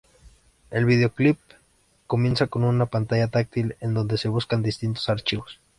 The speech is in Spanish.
El video-clip comienza con una pantalla táctil en donde se buscan distintos archivos.